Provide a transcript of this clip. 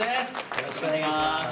よろしくお願いします。